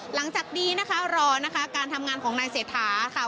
หลังจากนี้นะคะรอนะคะการทำงานของนายเศรษฐาค่ะ